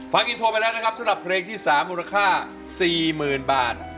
ฟังอินโทรไปแล้วนะครับสำหรับเพลงที่๓มูลค่า๔๐๐๐บาท